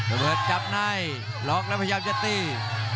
ระเบิดจับในล็อกแล้วพยายามจะตี